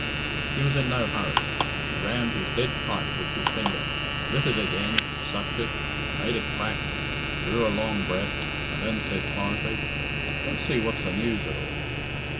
He was in no hurry. He rammed his dead pipe with his finger, lit it again, sucked it, made it quack, drew a long breath, and then said quietly, "Let's see what's her news at all."